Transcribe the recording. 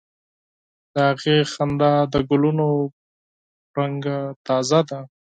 د هغې موسکا د ګلونو په شان تازه ده.